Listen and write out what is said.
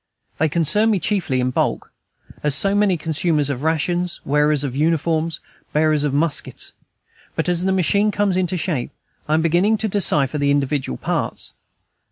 They concern me chiefly in bulk, as so many consumers of rations, wearers of uniforms, bearers of muskets. But as the machine comes into shape, I am beginning to decipher the individual parts.